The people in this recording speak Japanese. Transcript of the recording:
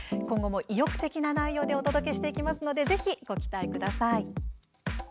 今後も意欲的な内容でお届けしていきますのでぜひ、ご期待ください。